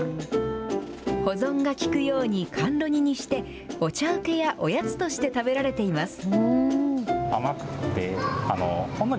保存が効くように甘露煮にして、お茶うけやおやつとして食べられています。